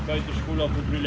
kita membuat tiga bahasa